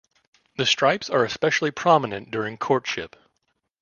The stripes are especially prominent during courtship.